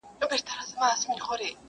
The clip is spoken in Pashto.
په زړه سخت په خوى ظالم لکه شداد وو،